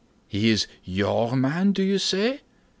"He is your man, do you say?"